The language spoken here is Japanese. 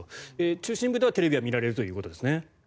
中心部ではテレビは見れるということですね？